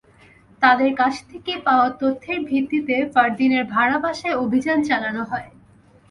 তাঁদের কাছ থেকে পাওয়া তথ্যের ভিত্তিতে ফারদিনের ভাড়া বাসায় অভিযান চালানো হয়।